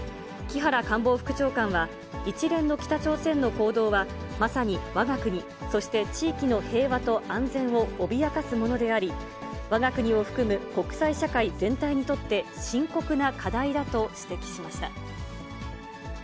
木原官房副長官は、一連の北朝鮮の行動は、まさにわが国、そして地域の平和と安全を脅かすものであり、わが国を含む国際社会全体にとって、深刻な課題だと指摘しました。